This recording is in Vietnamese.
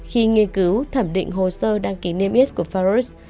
khi nghiên cứu thẩm định hồ sơ đăng ký niêm yết của farus